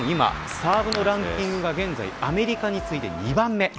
サーブのランキングが現在アメリカに次いで２番目。